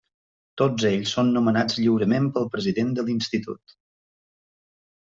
Tots ells són nomenats lliurement pel president de l'institut.